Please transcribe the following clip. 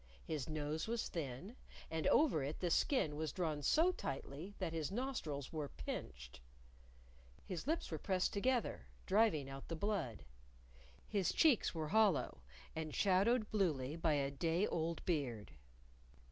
His nose was thin, and over it the skin was drawn so tightly that his nostrils were pinched. His lips were pressed together, driving out the blood. His cheeks were hollow, and shadowed bluely by a day old beard.